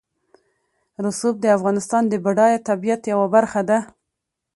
رسوب د افغانستان د بډایه طبیعت یوه برخه ده.